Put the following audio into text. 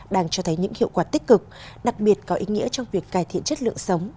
đang cho thấy những hiệu quả tích cực đặc biệt có ý nghĩa trong việc cải thiện chất lượng sống